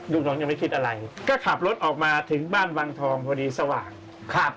ลูกน้องยังไม่คิดอะไรก็ขับรถออกมาถึงบ้านวังทองพอดีสว่างครับ